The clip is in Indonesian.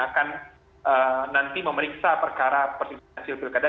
akan nanti memeriksa perkara hasil pilkada